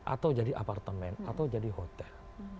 atau jadi apartemen atau jadi hotel